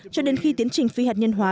cho đến khi tiến trình phi hạt nhân hóa